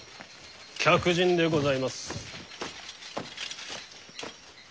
客人でございます。